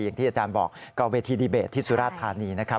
อย่างที่อาจารย์บอกก็เวทีดีเบตที่สุราธานีนะครับ